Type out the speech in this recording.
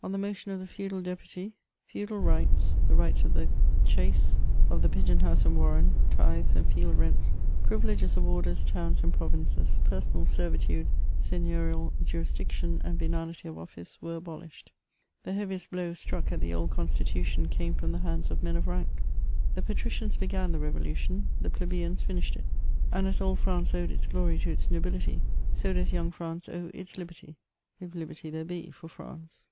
On the motion of the feudal deputy, feudal rights, the rights of the chace, of the pigeon house and warren, tithes and field rents, privileges of orders, towns, and provinces, personal servitude, seigneurial jurisdiction, and venality of ofiice, were abolished. The heaviest blow struck at the old constitution came from the hands of men of rank. The patricians began the Revolution, the plebeians finished it ; and as old France owed its glory to its nobility, so does young France owe its liberty — if liberty there be for France.